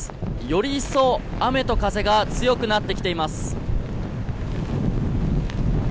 より一層、雨と風が強くなってきています。